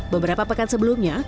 beberapa pekan sebelumnya